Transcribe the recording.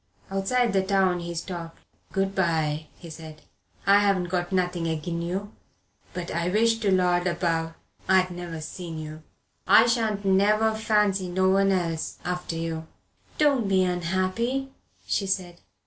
Outside the town he stopped. "Good bye," he said. "I haven't got nothing agin you but I wish to Lord above I'd never seen you. I shan't never fancy no one else after you." "Don't be unhappy," she said.